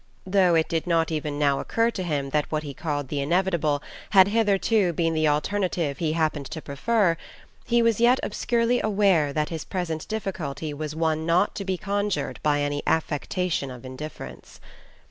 Though it did not even now occur to him that what he called the inevitable had hitherto been the alternative he happened to prefer, he was yet obscurely aware that his present difficulty was one not to be conjured by any affectation of indifference.